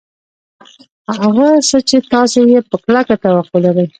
هغه څه چې تاسې یې په کلکه توقع لرئ